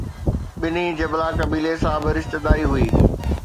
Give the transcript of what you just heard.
بني جبله قبيلي سان به رشتيداري هئي